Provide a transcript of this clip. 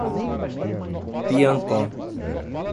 Piancó